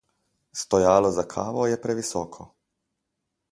Stojalo za kavo je previsoko.